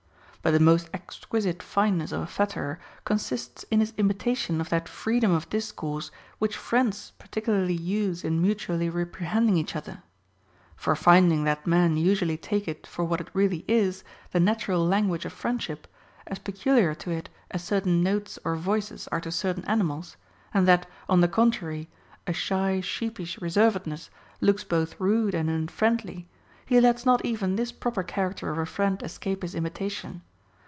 But the most exquisite fineness of a flatterer consists in his imitation of that freedom of discourse which friends particularly use in mutually reprehending each other. For finding that men usually take it for what it really is, the natural language of friendship, as peculiar to it as certain 106 HOW TO KNOW A FLATTERER notes or voices are to certain animals, and that, on the contrary, a shy sheepish reservedness looks both rude and unfriendly, he lets not even this proper character of a friend escape his imitation.